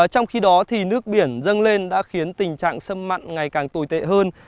trong khi đó thì nước biển dâng lên đã khiến tình trạng sâm mặn ngày càng tồi tệ hơn